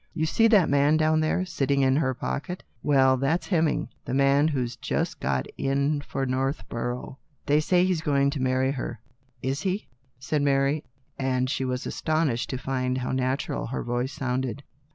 You see that man down there, sitting in her pocket? Well, that's Hemming, the man who's just in for Northborough. They say he's going to marry her." " Is he ?" said Mary, and she was astonished to find how natural her voice sounded.